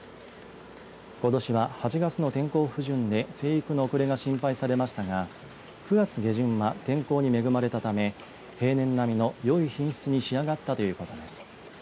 ことしは、８月の天候不順で生育の遅れが心配されましたが９月下旬は天候に恵まれたため平年並みのよい品質に仕上がったということです。